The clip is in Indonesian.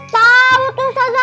tau tuh sosa